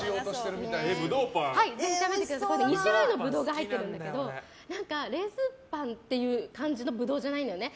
２種類のブドウが入ってるんだけどレーズンパンっていう感じのブドウじゃないんだよね。